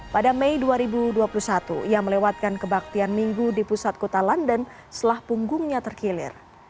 pada mei dua ribu dua puluh satu ia melewatkan kebaktian minggu di pusat kota london setelah punggungnya terkilir